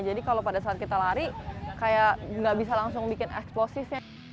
jadi kalau pada saat kita lari kayak nggak bisa langsung bikin eksplosisnya